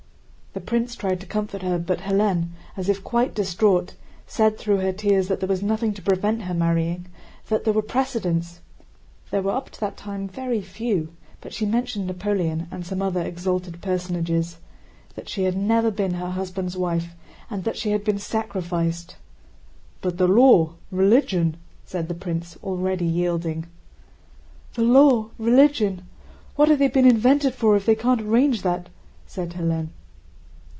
The prince tried to comfort her, but Hélène, as if quite distraught, said through her tears that there was nothing to prevent her marrying, that there were precedents (there were up to that time very few, but she mentioned Napoleon and some other exalted personages), that she had never been her husband's wife, and that she had been sacrificed. "But the law, religion..." said the prince, already yielding. "The law, religion... What have they been invented for if they can't arrange that?" said Hélène.